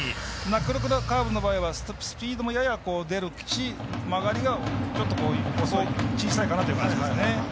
ナックルカーブの場合はスピードもやや出るし、曲がりが小さいかなという感じですね。